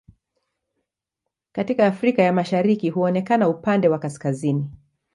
Katika Afrika ya Mashariki huonekana upande wa kaskazini.